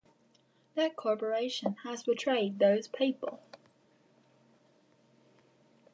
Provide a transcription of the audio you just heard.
That corporation has betrayed those people.